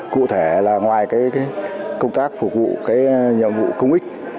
cụ thể là ngoài công tác phục vụ cái nhiệm vụ công ích